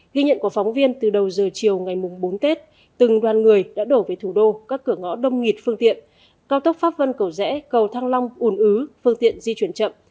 ghi nhận của phóng viên từ đầu giờ chiều ngày bốn tết từng đoàn người đã đổ về thủ đô các cửa ngõ đông nghịt phương tiện cao tốc pháp vân cầu rẽ cầu thăng long ùn ứ phương tiện di chuyển chậm